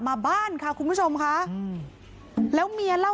ปี๖๕วันเกิดปี๖๔ไปร่วมงานเช่นเดียวกัน